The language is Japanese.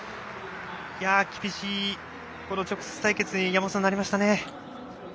厳しい直接対決になりましたね。